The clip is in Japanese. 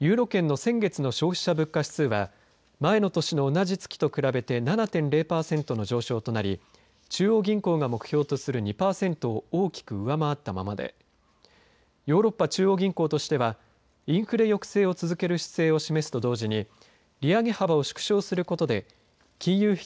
ユーロ圏の先月の消費者物価指数は前の年の同じ月と比べて７．０パーセントの上昇となり中央銀行が目標とする２パーセントを大きく上回ったままでヨーロッパ中央銀行としてはインフレ抑制を続ける姿勢を示めすと同時に利上げ幅を縮小することで金融